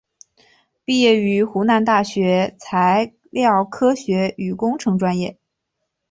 毕业于湖南大学材料科学与工程专业。